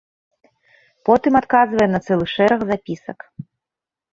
Потым адказвае на цэлы шэраг запісак.